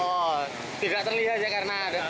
oh tidak terlihat saja karena ada